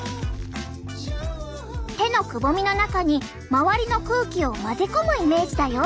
手のくぼみの中に周りの空気を混ぜ込むイメージだよ。